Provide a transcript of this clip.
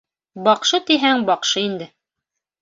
Баҡшы тиһәң, баҡшы инде.